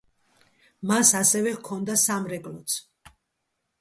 მას ასევე ჰქონდა სამრეკლოც.